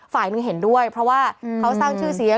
ฝ่ายหนึ่งเห็นด้วยเพราะว่าเขาสร้างชื่อเสียง